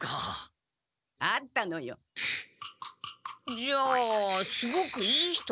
じゃあすごくいい人？